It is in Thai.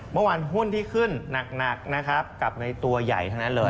เมื่อวานหุ้นที่ขึ้นหนักนะครับกับในตัวใหญ่ทั้งนั้นเลย